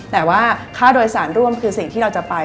แต่ว่าค่าโดยสารร่วมคือสิ่งที่เราจะไป